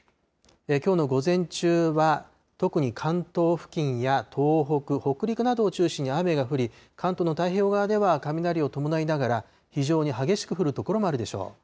きょうの午前中は、特に関東付近や東北、北陸などを中心に雨が降り、関東の太平洋側では雷を伴いながら、非常に激しく降る所もあるでしょう。